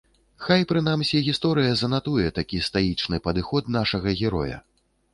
Хай прынамсі гісторыя занатуе такі стаічны падыход нашага героя.